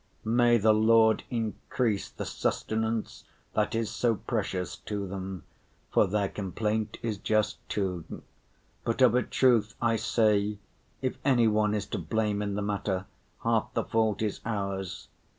May the Lord increase the sustenance that is so precious to them, for their complaint is just, too. But of a truth I say, if any one is to blame in the matter, half the fault is ours.